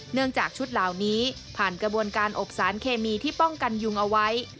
จากชุดเหล่านี้ผ่านกระบวนการอบสารเคมีที่ป้องกันยุงเอาไว้